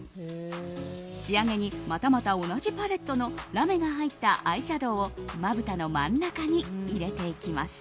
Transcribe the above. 仕上げにまたまた同じパレットのラメが入ったアイシャドーをまぶたの真ん中に入れていきます。